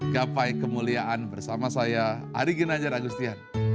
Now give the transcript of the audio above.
gapai kemuliaan bersama saya arigin ajar agustian